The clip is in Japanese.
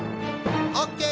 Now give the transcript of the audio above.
オッケー！